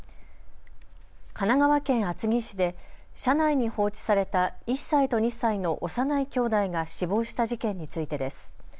神奈川県厚木市で車内に放置された１歳と２歳の幼いきょうだいが死亡した事件についてです。